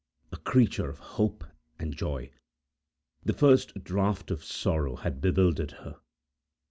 A creature of hope and joy, the first draught of sorrow had bewildered her.